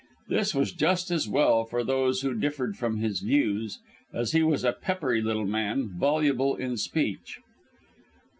This was just as well for those who differed from his views, as he was a peppery little man, voluble in speech.